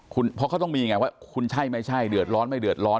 เพราะเขาต้องมีไงว่าคุณใช่ไม่ใช่เดือดร้อนไม่เดือดร้อน